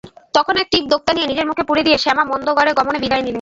তখন এক টিপ দোক্তা নিয়ে নিজের মুখে পুরে দিয়ে শ্যামা মন্দগমনে বিদায় নিলে।